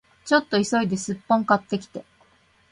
ちょっと急いでスッポン買ってきて